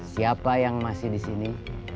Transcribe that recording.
siapa yang masih disini